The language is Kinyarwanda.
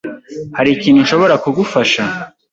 Hari ikintu nshobora kugufasha?